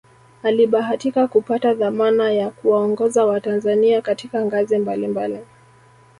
Alibahatika kupata dhamana ya kuwaongoza watanzania katika ngazi mbali mbali